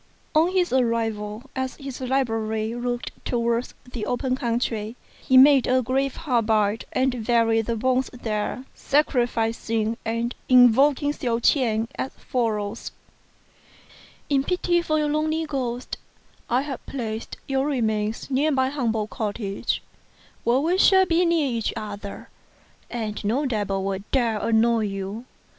On his arrival, as his library looked towards the open country, he made a grave hard by and buried the bones there, sacrificing, and invoking Hsiao ch'ien as follows :" In pity for your lonely ghost, I have placed your remains near my humble cottage, where we shall be near each other, and no devil will dare annoy you.